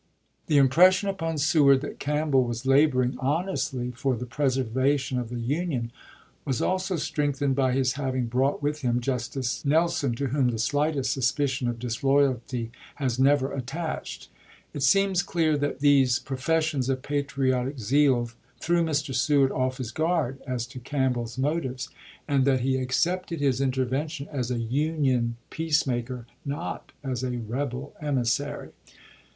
The im pression upon Seward that Campbell was laboring honestly for the preservation of the Union was also strengthened by his having brought with him Jus tice Nelson, to whom the slightest suspicion of dis loyalty has never attached. It seems clear that these professions of patriotic zeal threw Mr. Seward off his guard as to Campbell's motives, and that he 1861 Moore, " Rebellion Record." Vol. I., Doc uments, THE KEBEL GAME 407 accepted his intervention as a Union peacemaker, ch. xxiv. not as a rebel emissary.